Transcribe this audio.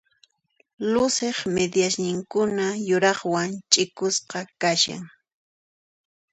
Luciq midiasninkuna yuraqwan ch'ikusqa kashan.